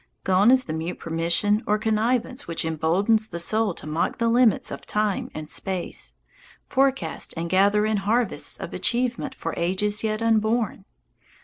Gone is the mute permission or connivance which emboldens the soul to mock the limits of time and space, forecast and gather in harvests of achievement for ages yet unborn.